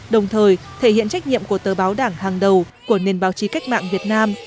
đồng thời thể hiện trách nhiệm của tờ báo đảng hàng đầu của nền báo chí cách mạng việt nam